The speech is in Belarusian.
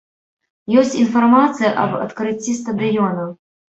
Ёсць інфармацыя аб адкрыцці стадыёна!